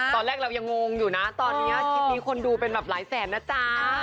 ตอนแรกเรายังงงอยู่นะตอนนี้คลิปนี้คนดูเป็นแบบหลายแสนนะจ๊ะ